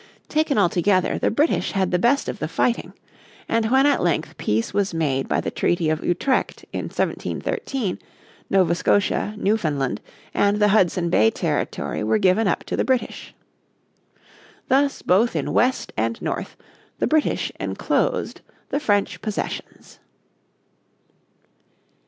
Taken altogether the British had the best of the fighting. And when at length peace was made by the Treaty of Utrect in 1713 Nova Scotia, Newfoundland, and the Hudson Bay Territory were given up to the British. Thus both in west and north the British enclosed the French possessions.